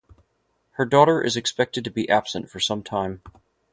Her daughter is expected to be absent for some time.